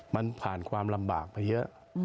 มันผ่านความลำบากไปเยอะ